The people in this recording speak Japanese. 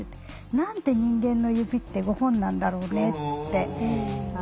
「何で人間の指って５本なんだろうね」って聞いて。